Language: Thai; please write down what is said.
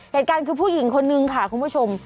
เหตุการณ์คือผู้หญิงคนนึงค่ะคุณผู้ชม